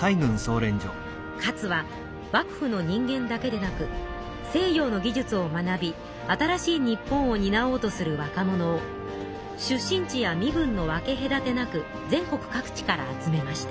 勝は幕府の人間だけでなく西洋の技術を学び新しい日本をになおうとする若者を出身地や身分の分けへだてなく全国各地から集めました。